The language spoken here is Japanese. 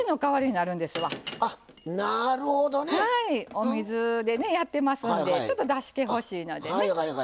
お水でねやってますんでちょっとだしけ欲しいのでね。